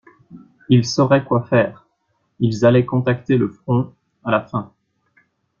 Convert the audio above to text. Il saurait quoi faire, ils allaient contacter le Front, à la fin